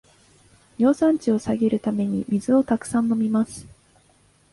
尿酸値を下げるために水をたくさん飲みます